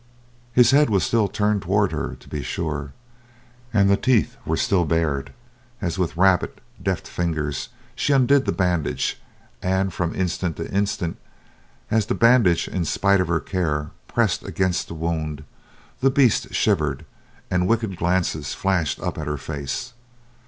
His head was still turned towards her, to be sure. And the teeth were still bared, as with rapid, deft fingers she undid the bandage; and from instant to instant, as the bandage in spite of her care pressed against the wound, the beast shivered and wicked glances flashed up at her face.